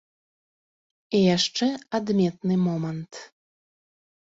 І яшчэ адметны момант.